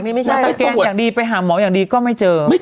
นักทางแกงอย่างดีไปหาหมออย่างดีก็ไม่เจอ